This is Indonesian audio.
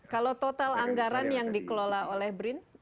kalau total anggaran yang dikelola oleh brin